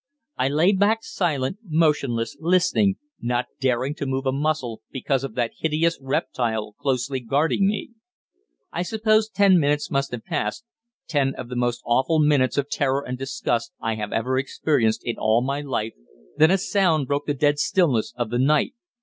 I lay back silent, motionless, listening, not daring to move a muscle because of that hideous reptile closely guarding me. I suppose ten minutes must have passed ten of the most awful minutes of terror and disgust I have ever experienced in all my life then a sound broke the dead stillness of the night.